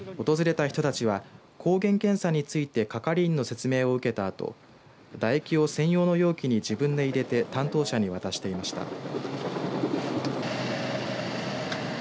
訪れた人たちは抗原検査について係員の説明を受けたあと唾液を専用の容器に自分で入れて担当者に渡していました。